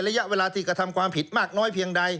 ระยะเวลาที่กระทำความผิดมากน้อยเพียงใด